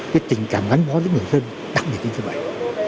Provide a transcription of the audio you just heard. cái tình cảm gánh vó giữa những người dân đặc biệt như vậy